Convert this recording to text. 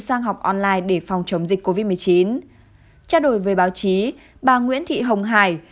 sang học online để phòng chống dịch covid một mươi chín trao đổi về báo chí bà nguyễn thị hồng hải